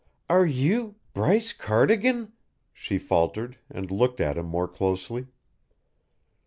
"Are you Bryce Cardigan?" she faltered, and looked at him more closely.